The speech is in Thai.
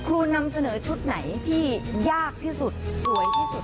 นำเสนอชุดไหนที่ยากที่สุดสวยที่สุด